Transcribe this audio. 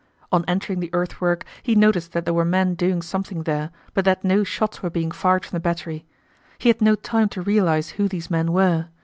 On entering the earthwork he noticed that there were men doing something there but that no shots were being fired from the battery. He had no time to realize who these men were.